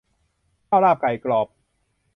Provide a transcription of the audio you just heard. ข้าวลาบไก่กรอบ